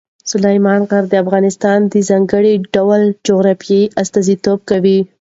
سلیمان غر د افغانستان د ځانګړي ډول جغرافیې استازیتوب کوي.